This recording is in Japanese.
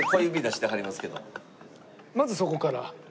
まずそこから。